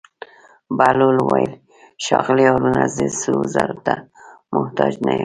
بهلول وویل: ښاغلی هارونه زه سرو زرو ته محتاج نه یم.